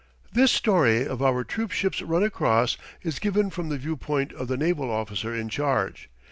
This story of our troop ship's run across is given from the view point of the naval officer in charge.